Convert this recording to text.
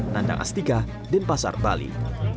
nanda astika denpasar bali